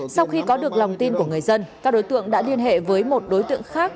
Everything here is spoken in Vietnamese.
sau khi có được lòng tin của người dân các đối tượng đã liên hệ với một đối tượng khác